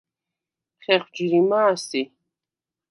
ხეხვ ჯირიმა̄ სი?